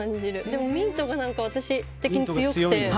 でもミントが私的に強くて。